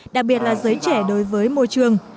đặc biệt là giới trẻ đối với môi trường